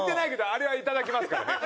あれいただきますから。